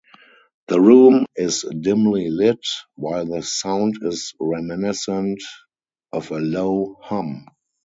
The room is dimly lit, while the sound is reminiscent of a low hum.